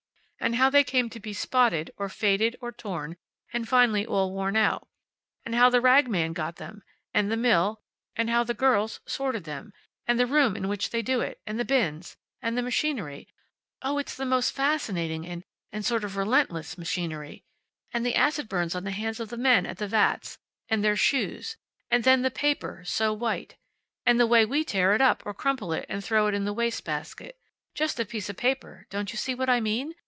And how they came to be spotted, or faded, or torn, and finally all worn out. And how the rag man got them, and the mill, and how the girls sorted them. And the room in which they do it. And the bins. And the machinery. Oh, it's the most fascinating, and and sort of relentless machinery. And the acid burns on the hands of the men at the vats. And their shoes. And then the paper, so white. And the way we tear it up, or crumple it, and throw it in the waste basket. Just a piece of paper, don't you see what I mean?